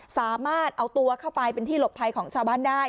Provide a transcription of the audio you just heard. สามารถเอาตัวเข้าไปเป็นที่หลบภัยของชาวบ้านได้